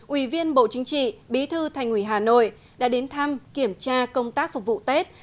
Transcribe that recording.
ủy viên bộ chính trị bí thư thành ủy hà nội đã đến thăm kiểm tra công tác phục vụ tết